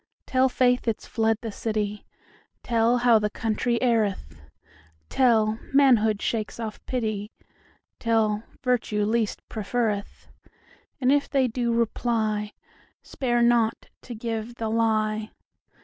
Tell faith it's fled the city; Tell how the country erreth; Tell, manhood shakes off pity; Tell, virtue least preferreth:And if they do reply, Spare not to give the lie.